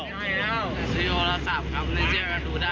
ใช่แล้วโซโยลาสามข้าวมือถือใหญ่ก็ดูได้